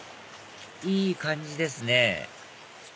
いい感じですね